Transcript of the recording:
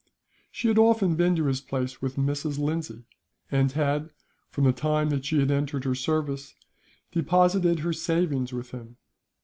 She had often been to his place with Mrs. Lindsay; and had, from the time that she entered her service, deposited her savings with him.